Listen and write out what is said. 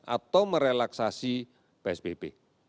atau merelaksasi psbb